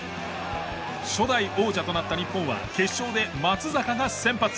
初代王者となった日本は決勝で松坂が先発。